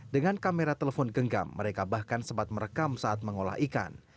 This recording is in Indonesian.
dengan kamera telepon genggam mereka bahkan sempat merekam saat mengolah ikan